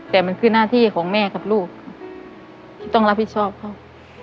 แต่มันคือหน้าที่ของแม่กับลูกที่ต้องรับผิดชอบเขา